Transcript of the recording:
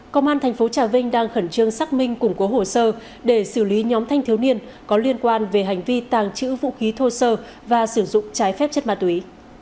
công an thành phố trà vinh đang khẩn trương xác minh củng cố hồ sơ để xử lý nhóm thanh thiếu niên có liên quan về hành vi tàng trữ vũ khí thô sơ và sử dụng trái phép chất ma túy